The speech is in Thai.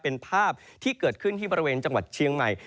เป็นภาพที่เกิดขึ้นที่บริเวณจังหวัดเชียงใหม่